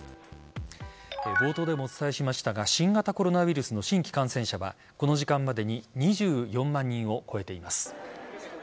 冒頭でもお伝えしましたが新型コロナウイルスの新規感染者はこの時間までに２４万人を超えています。